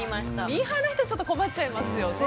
ミーハーな人はちょっと困っちゃいますよね。